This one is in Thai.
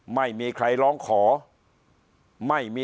พักพลังงาน